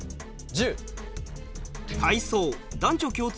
１０。